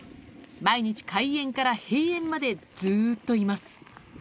毎日開園から閉園までずっといます